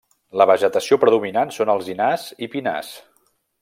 La vegetació predominant són alzinars i pinars.